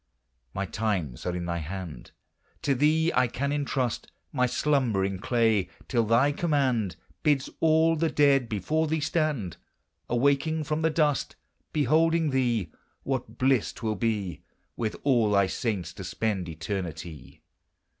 My times are in thy hand! To thee I can intrust My slumbering clay, till thy command Bids all the dead before thee stand, Awaking from the dust. Beholding thee, What bliss 't will be With all thy saints to spend eternity!